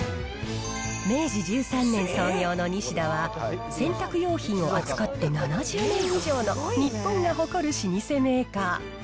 明治１３年創業のニシダは、洗濯用品を扱って７０年以上の日本が誇る老舗メーカー。